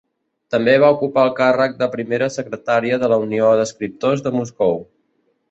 També va ocupar el càrrec de Primera Secretària de la Unió d'Escriptors de Moscou.